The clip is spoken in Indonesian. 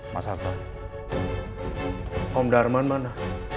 mas abbal om darman mana